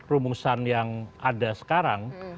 rumusan yang ada sekarang